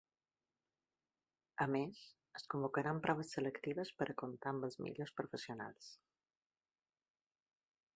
A més, es convocaran proves selectives per a comptar amb ‘els millors professionals’.